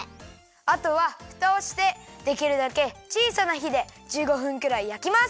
あとはフタをしてできるだけちいさなひで１５分くらいやきます。